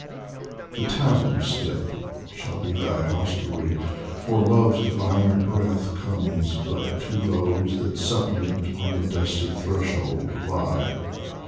The tavern step shall be thy hostelry, For Love's diviner breath comes but to those That suppliant on the dusty threshold lie.